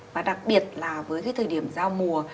và đặc biệt là với cái thời điểm giao mùa